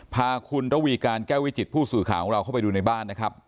พาคุณระวีการแก้ววิจิตผู้สื่อข่าวของเราเข้าไปดูในบ้านนะครับ